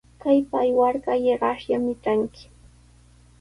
Kaypa aywarqa rasllami tranki.